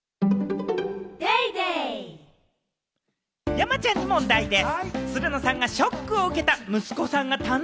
山ちゃんに問題です。